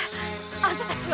あんたたちは。